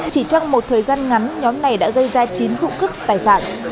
chỉ trong một thời gian ngắn nhóm này đã gây ra chín vụ cướp tài sản